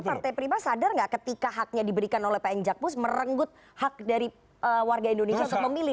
tapi partai prima sadar gak ketika haknya diberikan oleh pn jakpus merenggut hak dari warga indonesia untuk memilih dua ribu dua puluh empat